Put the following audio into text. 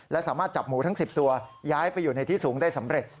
และสามารถจับหมูทั้ง๑๐ตัวย้ายไปอยู่ในที่สูงได้สำเร็จ